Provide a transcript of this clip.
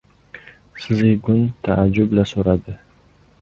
Szigun taajjub-la so‘radi: